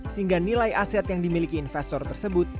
sehingga nilai aset yang dimiliki investor tersebut